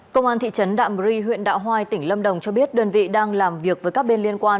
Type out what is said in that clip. công an thị trấn đạm ri huyện đạo hoai tỉnh lâm đồng cho biết đơn vị đang làm việc với các bên liên quan